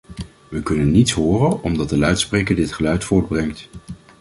We kunnen niets horen omdat de luidspreker dit geluid voortbrengt.